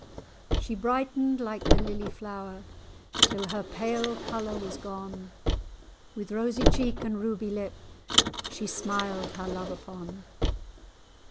She brightened like the lily flower, Till her pale colour was gone; With rosy cheek, and ruby lip, She smiled her love upon.